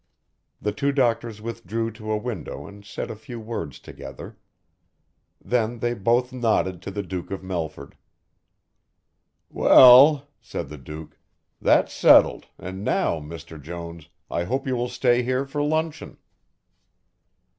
The two doctors withdrew to a window and said a few words together. Then they both nodded to the Duke of Melford. "Well," said the Duke, "that's settled and now, Mr. Jones, I hope you will stay here for luncheon."